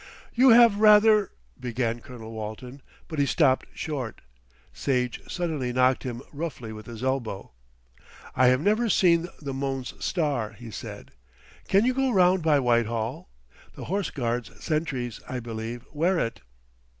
"You have rather " began Colonel Walton, but he stopped short. Sage suddenly knocked him roughly with his elbow. "I have never seen the Mons Star," he said. "Can we go round by Whitehall? The Horse Guards sentries, I believe, wear it."